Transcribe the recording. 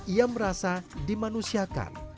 ia merasa dimanusiakan